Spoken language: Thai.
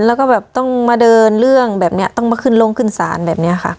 แล้วก็แบบต้องมาเดินเรื่องแบบนี้ต้องมาขึ้นลงขึ้นศาลแบบนี้ค่ะ